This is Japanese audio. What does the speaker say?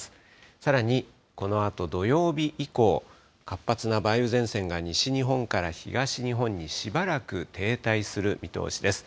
さらに、このあと土曜日以降、活発な梅雨前線が西日本から東日本にしばらく停滞する見通しです。